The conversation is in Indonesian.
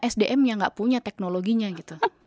sdm yang gak punya teknologinya gitu